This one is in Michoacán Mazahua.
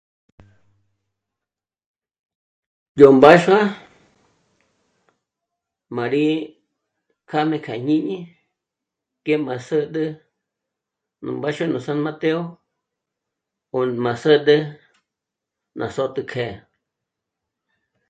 Yo mbáxua mà rí kjajme k'a jñíñi k'e ma säd'ä jnu mbáxua nu San Mateo ó ma sä́d'ä na söt'ük'e